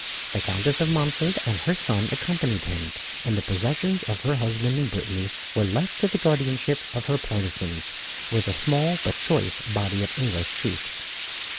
The Countess of Montford and her son accompanied him, and the possessions of her husband in Brittany were left to the guardianship of her partisans, with a small but choice body of English troops.